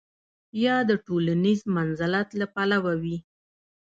یا د ټولنیز منزلت له پلوه وي.